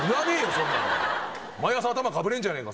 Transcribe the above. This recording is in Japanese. そんなの毎朝頭かぶれんじゃねえか